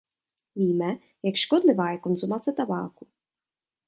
Víme, jak škodlivá je konzumace tabáku.